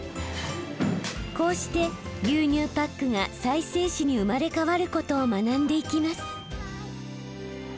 こうして牛乳パックが再生紙に生まれ変わることを学んでいきます。